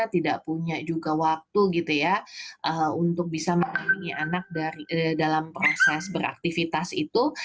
tidak punya juga waktu untuk bisa mengingat anak dalam proses beraktivitas itu